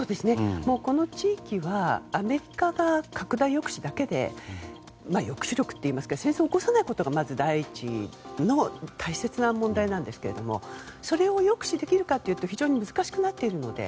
この地域はアメリカが拡大抑止だけで抑止力といいますか戦争を起こさないことがまず第一の大切な問題なんですがそれを抑止できるかというと非常に難しくなっているので。